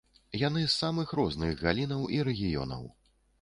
Яны з самых розных галінаў і рэгіёнаў.